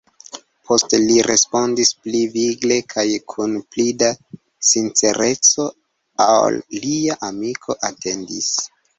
Poste li respondis pli vigle kaj kun pli da sincereco, ol lia amiko atendis: